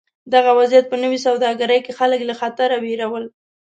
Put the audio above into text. دغه وضعیت په نوې سوداګرۍ کې خلک له خطره وېرول.